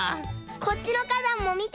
こっちのかだんもみて。